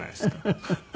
フフフフ。